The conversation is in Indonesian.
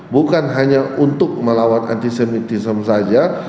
bukan hanya untuk melawan antisemitism saja